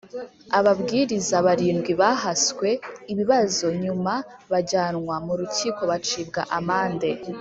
Ababwiriza barindwi bahaswe ibibazo hanyuma bajyanwa mu rukiko bacibwa amande